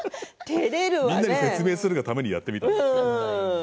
みんなに説明するがためにやってみたんですけど。